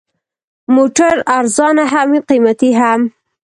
موټر ارزانه هم وي، قیمتي هم.